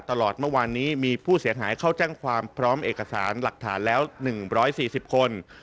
ตลอดเมื่อวานนี้มีผู้เสียหายเข้าแจ้งความพร้อมเอกสารหลักฐานแล้ว๑๔๐คน